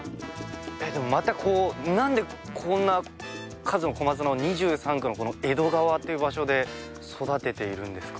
でもまたなんでこんな数の小松菜を２３区のこの江戸川っていう場所で育てているんですか？